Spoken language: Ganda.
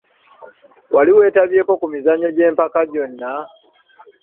Wali wetabyeko ku mizannyo gy'empaka gyonna.?